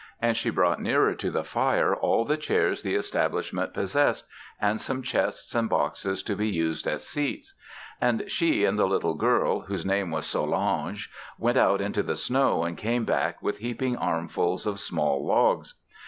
And she brought nearer to the fire all the chairs the establishment possessed and some chests and boxes to be used as seats. And she and the little girl, whose name was Solange, went out into the snow and came back with heaping armfuls of small logs.